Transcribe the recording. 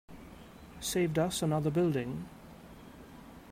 Saved us another building.